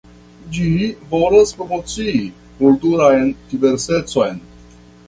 Ĝi volas promocii kulturan diversecon.